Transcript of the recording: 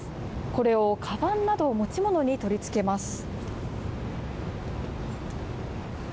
これをかばんなど持ち物に取り付けます。